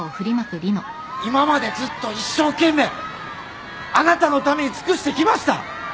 今までずっと一生懸命あなたのために尽くしてきました。